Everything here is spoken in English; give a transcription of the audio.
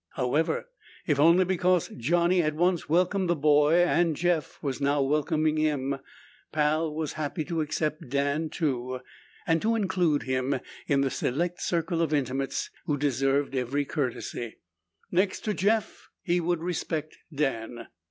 However, if only because Johnny had once welcomed the boy and Jeff was now welcoming him, Pal was happy to accept Dan too and to include him in the select circle of intimates who deserved every courtesy. Next to Jeff, he would respect Dan.